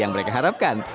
yang mereka harapkan